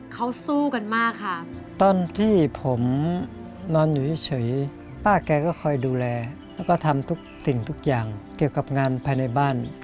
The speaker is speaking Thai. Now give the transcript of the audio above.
เขาสู้กันมากครับ